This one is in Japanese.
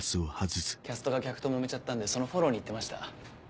キャストが客と揉めちゃったんでそのフォローに行ってました。